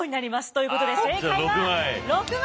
ということで正解は６枚！